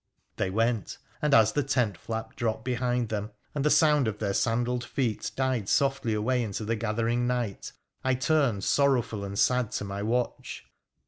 ' They went, and as the tent flap dropped behind them and the sound of their sandalled feet died softly away into the gathering night, I turned sorrowful and sad to my watch.